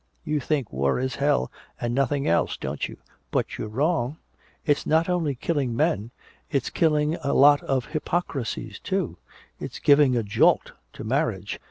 You think war is hell and nothing else, don't you but you're wrong! It's not only killing men it's killing a lot of hypocrisies too it's giving a jolt to marriage!